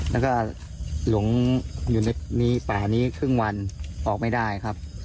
ผมอยู่ในสารนี้ครึ่งวันออกไม่ได้ครับ